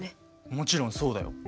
もちろんそうだよ。